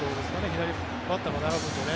左バッターが並ぶのでね。